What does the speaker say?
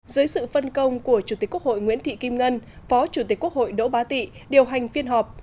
dưới sự phân công của chủ tịch quốc hội nguyễn thị kim ngân phó chủ tịch quốc hội đỗ bá tị điều hành phiên họp